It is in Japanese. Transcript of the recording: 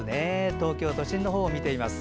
東京都心の方を見ています。